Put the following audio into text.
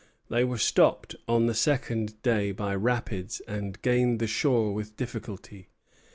They were stopped on the second day by rapids, and gained the shore with difficulty.